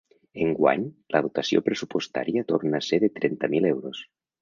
Enguany, la dotació pressupostària torna a ser de trenta mil euros.